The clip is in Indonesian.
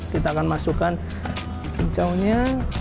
kita akan masukkan pencaunya